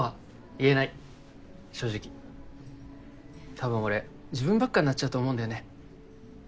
多分俺自分ばっかになっちゃうと思うんだよね。